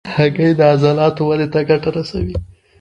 هګۍ د عضلاتو ودې ته ګټه رسوي.